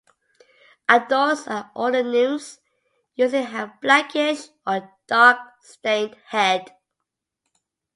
Adults and older nymphs usually have a blackish or dark stained head.